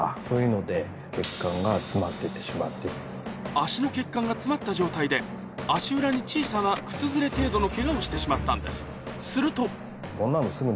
足の血管が詰まった状態で足裏に小さな靴擦れ程度のケガをしてしまったんですするとこんなの。